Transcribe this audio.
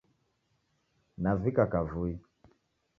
Navika kavui